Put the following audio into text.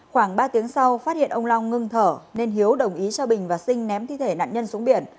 khoảng ba tiếng sau phát hiện ông long ngưng thở nên hiếu đồng ý cho bình và sinh ném thi thể nạn nhân xuống biển